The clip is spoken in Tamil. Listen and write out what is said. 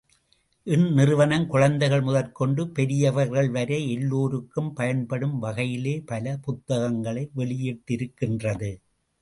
இந்நிறுவனம் குழந்தைகள் முதற்கொண்டு பெரியவர்கள் வரை எல்லோருக்கும் பயன்படும் வகையிலே பல புத்தகங்களை வெளியிட்டிருக்கின்றது.